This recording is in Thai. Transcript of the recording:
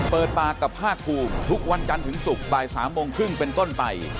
เปิดปากกับภาคภูมิทุกวันจันทร์ถึงศุกร์บ่าย๓โมงครึ่งเป็นต้นไป